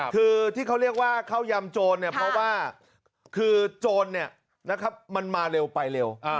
คือที่เขาเรียกว่าเข้ายำโจรเนี่ยเพราะว่าคือโจรมันมาเร็วไปเร็ว